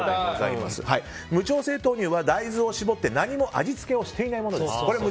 無調整豆乳は大豆を搾って何も味付けをしていないもの。